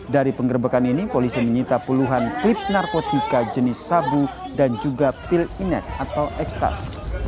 dari penggerbekan ini polisi menyita puluhan trip narkotika jenis sabu dan juga pil inek atau ekstasi